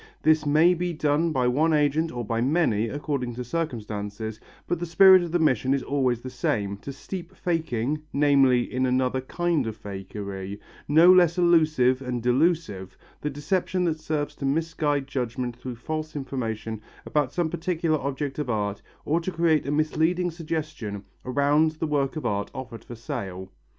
This may be done by one agent or by many, according to circumstances, but the spirit of the mission is always the same, to steep faking, namely, in another kind of fakery, no less illusive and delusive, the deception that serves to misguide judgment through false information about some particular object of art, or to create a misleading suggestion around the work of art offered for sale.